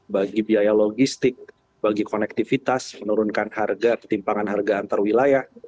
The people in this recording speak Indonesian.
bagi biaya logistik bagi konektivitas menurunkan harga ketimpangan harga antarwilayah